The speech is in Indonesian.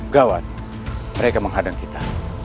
gawat mereka menghadang kita